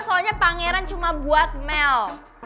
soalnya pangeran cuma buat mel